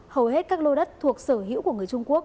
hầu hết các lô đất thuộc sở hữu của người trung quốc